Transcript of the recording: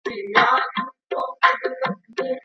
که پیرودونکي په سړک کي موټر ونه دروي، نو لاره نه بندیږي.